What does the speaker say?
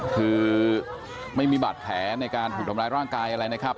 คือไม่มีบาดแผลในการถูกทำร้ายร่างกายอะไรนะครับ